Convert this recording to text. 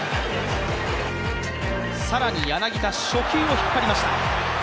更に柳田、初球を引っ張りました。